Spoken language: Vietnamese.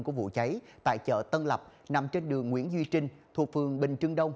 của vụ cháy tại chợ tân lập nằm trên đường nguyễn duy trinh thuộc phường bình trưng đông